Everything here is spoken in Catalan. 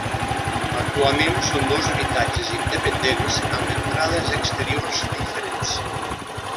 Actualment són dos habitatges independents, amb entrades exteriors diferents.